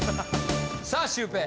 さあシュウペイ。